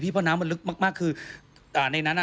เพราะน้ำมันลึกมากมากคืออ่าในนั้นอ่ะ